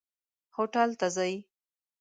هوټل ته ځئ؟